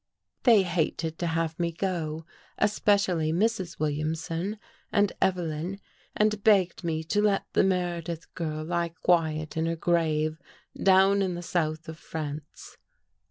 " They hated to have me go, especially Mrs. Williamson and Evelyn and begged me to let the Meredith girl lie quiet in her grave down in the south of France.